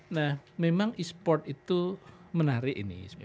nah memang esport itu menarik ini